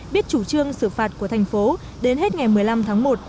biết chủ trương xử phạt của thành phố đến hết ngày một mươi năm tháng một